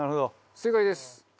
正解です。